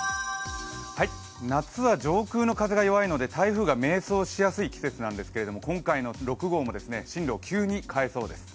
夏は上空の風が弱いので台風が迷走しやすい季節なんですけど今回の６号も進路を急に変えそうです。